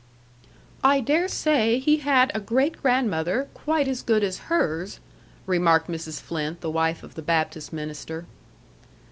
"I dare say he had a great grandmother quite as good as hers," remarked Mrs. Flynt, the wife of the Baptist minister.